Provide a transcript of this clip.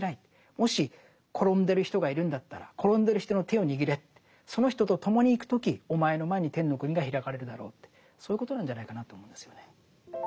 もし転んでる人がいるんだったら転んでる人の手を握れってその人と共に行く時お前の前に天の国が開かれるだろうってそういうことなんじゃないかなと思うんですよね。